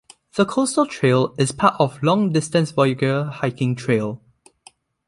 The Coastal Trail is part of the long-distance Voyageur Hiking Trail.